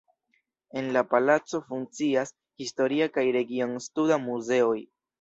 En la palaco funkcias historia kaj region-studa muzeoj.